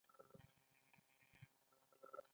له کتونکو سره مرسته کړې ده.